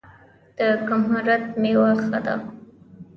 د کهمرد میوه ښه ده